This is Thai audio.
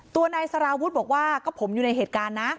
ตัวนายสารวุฒิบอกว่าก็ผมอยู่ในเหตุการณ์นะ